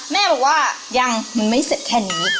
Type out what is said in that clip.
แม่บอกว่ายังมันไม่เสร็จแค่นี้